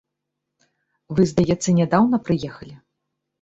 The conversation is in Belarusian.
Вы, здаецца, нядаўна прыехалі?